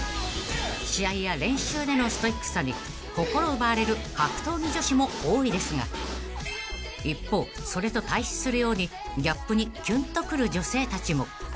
［試合や練習でのストイックさに心奪われる格闘技女子も多いですが一方それと対比するようにギャップにキュンとくる女性たちも］